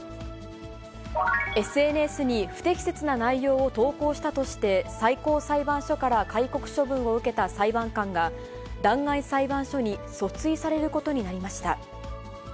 ＳＮＳに不適切な内容を投稿したとして、最高裁判所から戒告処分を受けた裁判官が、弾劾裁判所に訴追されることになりました。